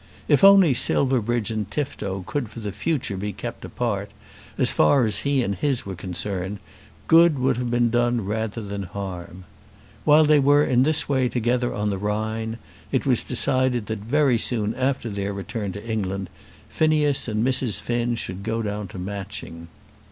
If only Silverbridge and Tifto could for the future be kept apart, as far as he and his were concerned, good would have been done rather than harm. While they were in this way together on the Rhine it was decided that very soon after their return to England Phineas and Mrs. Finn should go down to Matching.